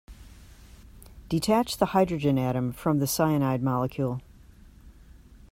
Detach the hydrogen atom from the cyanide molecule.